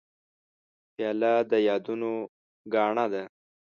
پیاله د یادونو ګاڼه ده.